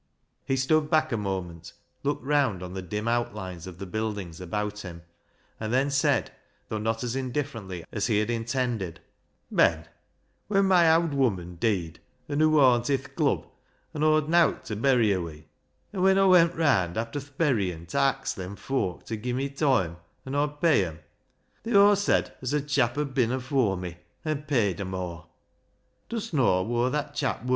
He stood back a moment, looked round on the dim outlines of the buildings about him, and then said, though not as indifferently as he had intended —" Ben, when my owd woman deed and hoo worn't i' th' club, an' Aw'd nowt ta bury her wi', an' when Aw went raand after th' buryin' ta ax them foak ta gi' me toime an' Aw'd pay 'em, they aw said as a chap 'ud bin afoor me, an' paid 'em aw. Dust know whoa that chap wur?"